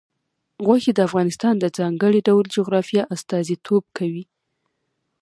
غوښې د افغانستان د ځانګړي ډول جغرافیه استازیتوب کوي.